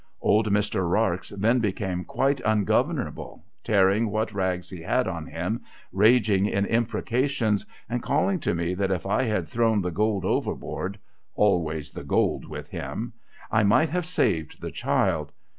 Old Mr. Rarx then became quite ungovernable, tearing what rags he had on him, raging in imprecations, and calling to me that if I had thrown the gold overboard (always the gold with him !) I might have saved the child.